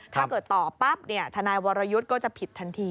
ถ้าเกิดต่อปั๊บทนายวรยุทธ์ก็จะผิดทันที